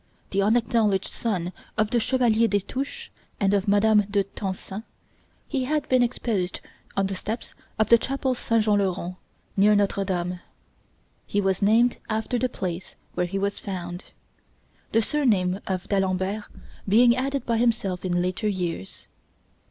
The unacknowleged son of the Chevalier Destouches and of Mme. de Tencin, he had been exposed on the steps of the chapel St. Jean le Rond, near Notre Dame. He was named after the place where he was found; the surname of D'Alembert being added by himself in later years.